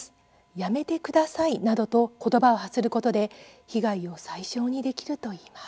「やめてください」などと言葉を発することで被害を最小にできるといいます。